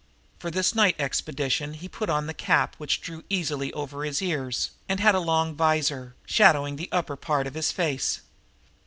For this night expedition he put on a cap which drew easily over his ears and had a long visor, shadowing the upper part of his face.